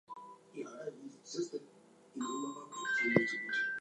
She moved her left hand and realised her oranges were seeding.